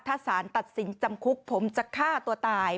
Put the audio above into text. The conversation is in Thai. ถ้าสารตัดสินจำคุกผมจะฆ่าตัวตาย